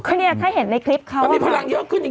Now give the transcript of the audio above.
ก็เนี่ยถ้าเห็นในคลิปเขามันมีพลังเยอะขึ้นจริง